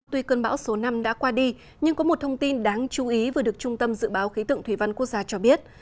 tuy cơn bão số năm đã qua đi nhưng có một thông tin đáng chú ý vừa được trung tâm dự báo khí tượng thủy văn quốc gia cho biết